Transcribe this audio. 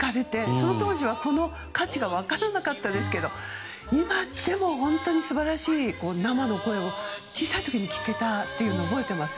その当時は、この価値が分からなかったですけど今でも素晴らしい生の声を小さいときに聴けたというのを覚えています。